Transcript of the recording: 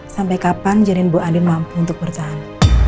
sampai kapan janin bu adin mampu untuk bertahan